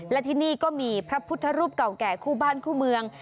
และที่นี่ก็มีพระพุทธรูปเก่าแก่คู่บ้านคู่เมือง